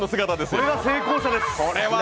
これが成功者です。